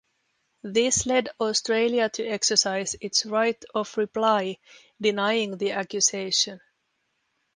This led Australia to exercise its right of reply, denying the accusation.